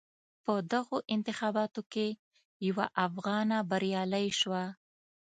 په دغو انتخاباتو کې یوه افغانه بریالی شوه.